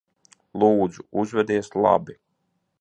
Lūdzu, uzvedies labi.